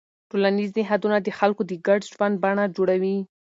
ټولنیز نهادونه د خلکو د ګډ ژوند بڼه جوړوي.